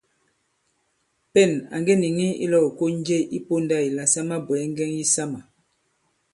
Pên à ŋge nìŋi ilɔ̄w ìkon je i pōndā ìla sa mabwɛ̀ɛ ŋgɛŋ yisamà.